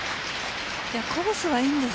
コースはいいんです。